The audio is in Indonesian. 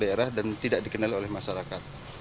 di luar daerah dan tidak dikenal oleh masyarakat